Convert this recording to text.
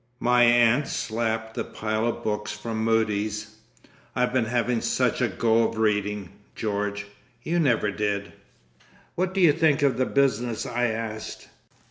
My aunt slapped the pile of books from Mudie's. "I've been having such a Go of reading, George. You never did!" "What do you think of the business?" I asked.